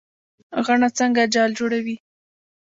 غڼه څنګه جال جوړوي؟